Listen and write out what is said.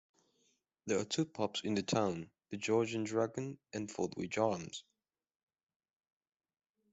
There are two pubs in the town, the George and Dragon and Fordwich Arms.